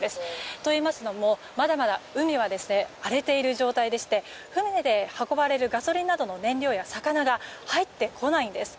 といいますのも、まだまだ海は荒れている状態でして船で運ばれるガソリンなどの燃料や魚が入ってこないんです。